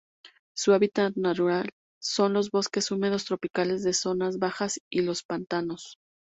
Su hábitat natural son los bosques húmedos tropicales de zonas bajas y los pantanos.